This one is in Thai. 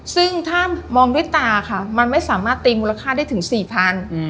ซึ่งถ้ามองด้วยตาค่ะมันไม่สามารถตีมูลค่าได้ถึง๔๐๐บาท